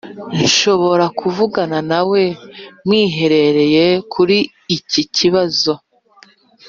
nshobora kuvugana nawe mwiherereye kuri iki kibazo?